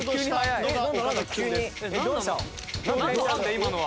今のは。